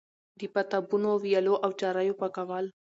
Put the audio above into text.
د پاتابونو، ويالو او چريو پاکول